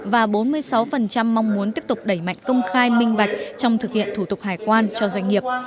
và bốn mươi sáu mong muốn tiếp tục đẩy mạnh công khai minh bạch trong thực hiện thủ tục hải quan cho doanh nghiệp